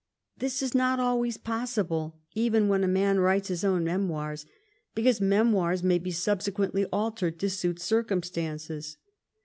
This is not always possible even when a man writes his owu memoirs, because memoirs may be subsequently altered to suit circumstances.